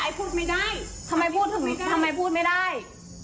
หนูย้ายไม่ชอบเด็กที่ไม่มีการมีงาน